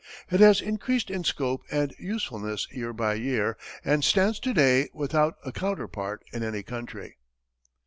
It has increased in scope and usefulness year by year, and stands to day without a counterpart in any country.